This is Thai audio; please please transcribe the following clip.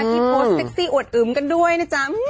ที่โพสต์เซ็กซี่อวดอึมกันด้วยนะจ๊ะ